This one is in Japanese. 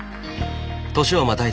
年をまたいだ